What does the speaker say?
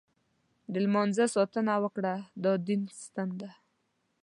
د لمانځه ساتنه وکړه، دا دین ستن ده.